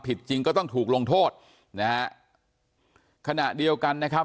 จริงก็ต้องถูกลงโทษนะฮะขณะเดียวกันนะครับ